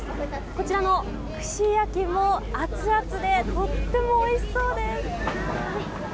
こちらの串焼きもアツアツでとってもおいしそうです。